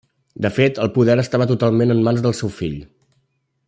De fet el poder estava totalment en mans del seu fill.